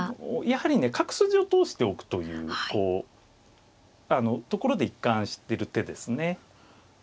やはりね角筋を通しておくというところで一貫してる手ですね。